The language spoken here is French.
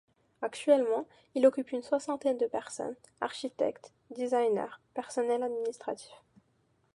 Actuellement, il occupe une soixantaine de personnes: architectes, designers, personnel administratif.